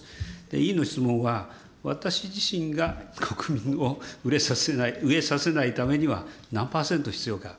委員の質問は、私自身が国民を飢えさせないためには、何％必要か。